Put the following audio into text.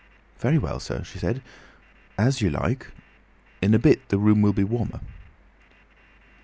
"Very well, sir," she said. "As you like. In a bit the room will be warmer."